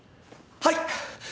はい！